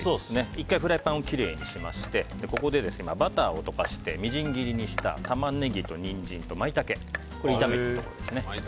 １回フライパンをきれいにしましてバターを溶かしてみじん切りにしたタマネギとニンジンとマイタケを炒めているところです。